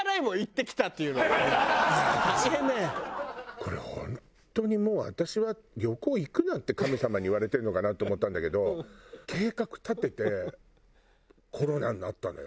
これ本当にもう私は旅行行くなって神様に言われてるのかなと思ったんだけど計画立ててコロナになったのよ。